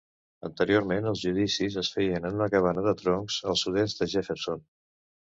Anteriorment, els judicis es feien en una cabana de troncs al sud-est de Jefferson.